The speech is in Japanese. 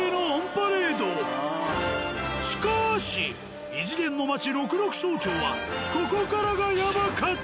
しかし異次元の町六麓荘町はここからがやばかった！